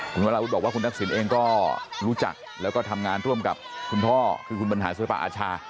คุณวราวุฒิบอกว่าคุณทักษิณเองก็รู้จักแล้วก็ทำงานร่วมกับคุณพ่อคือคุณบรรหาศิลปะอาชา